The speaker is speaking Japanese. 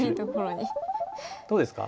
どうですか？